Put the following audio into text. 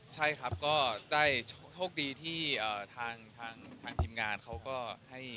ใช่ครับก็ได้โชคดีที่ทางทีมงานเขาก็ให้